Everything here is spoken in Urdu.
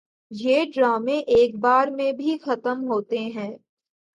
یہ ڈرامے ایک بار میں بھی ختم ہوتے ہیں